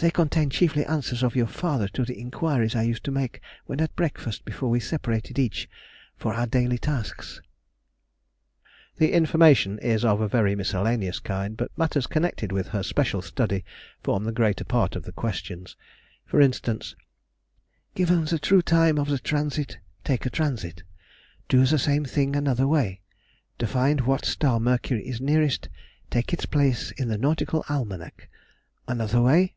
They contain chiefly answers of your father to the inquiries I used to make when at breakfast before we separated each for our daily tasks. [Sidenote: 1786 1787. Employments at Slough.] The information is of a very miscellaneous kind, but matters connected with her special study form the greater part of the questions. For instance:— "Given the true time of the transit—take a transit. Do the same thing another way. To find what star Mercury is nearest. Take its place in the Nautical Almanac. Another way....